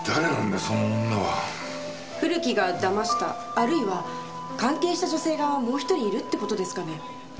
古木が騙したあるいは関係した女性がもう１人いるって事ですかね？